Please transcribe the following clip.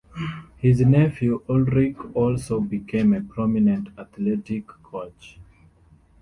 His nephew Ulrich also became a prominent athletic coach.